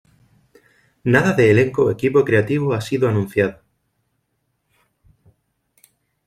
Nada de elenco o equipo creativo ha sido anunciado.